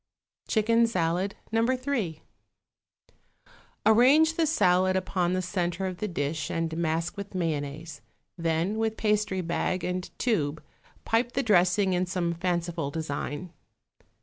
=Chicken Salad, No. 3.= Arrange the salad upon the centre of the dish and mask with mayonnaise; then with pastry bag and tube pipe the dressing in some fanciful design.